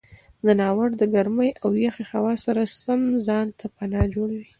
ځناور د ګرمې او یخې هوا سره سم ځان ته پناه جوړوي.